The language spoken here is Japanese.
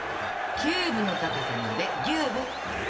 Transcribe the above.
キューブの高さまでギューぶだよ。